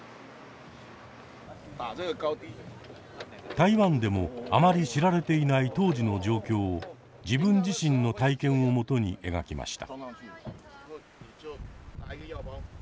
台湾でもあまり知られていない当時の状況を自分自身の体験をもとに描きました。